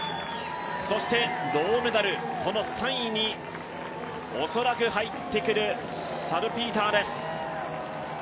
そして、銅メダル、３位に恐らく入ってくるサルピーターです。